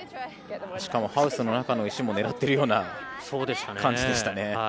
しかもハウスの中の石も狙っているような感じでしたね。